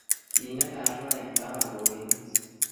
Kinget alua eng taban kokenis